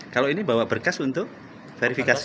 kalau ini bawa berkas untuk verifikasi